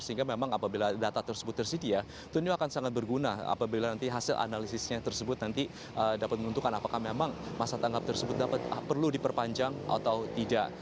sehingga memang apabila data tersebut tersedia tentunya akan sangat berguna apabila nanti hasil analisisnya tersebut nanti dapat menentukan apakah memang masa tangkap tersebut perlu diperpanjang atau tidak